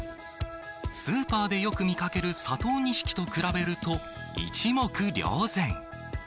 スーパーでよく見かける佐藤錦と比べると、一目瞭然。